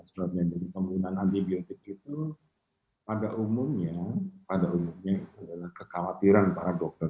jadi penggunaan antibiotik itu pada umumnya kekhawatiran para dokter